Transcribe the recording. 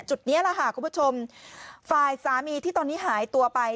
นี้แหละค่ะคุณผู้ชมฝ่ายสามีที่ตอนนี้หายตัวไป